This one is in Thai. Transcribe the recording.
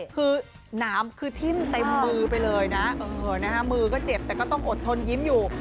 คือหนามคือทิ้มเต็มมือไปเลยนะมือก็เจ็บแต่ก็ต้องอดทนยิ้มอยู่